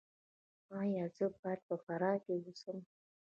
ایا زه باید په فراه کې اوسم؟